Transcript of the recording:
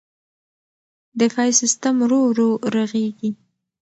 دفاعي سیستم ورو ورو رغېږي.